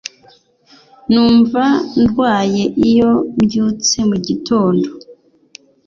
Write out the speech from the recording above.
Numva ndwaye iyo mbyutse mugitondo